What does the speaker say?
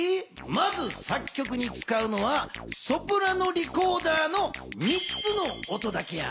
まず作曲に使うのはソプラノリコーダーの３つの音だけや。